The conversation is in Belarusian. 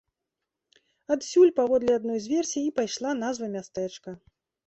Адсюль, паводле адной з версій, і пайшла назва мястэчка.